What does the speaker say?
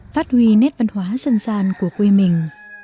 phát huy nét văn hóa dân gian của quê mình